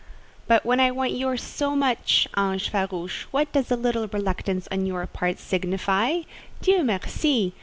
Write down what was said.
"But when I want yours so much, ange farouche, what does a little reluctance on your part signify? Dieu merci!